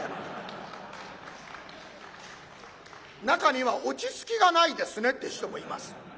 中には「落ち着きがないですね」って人もいます。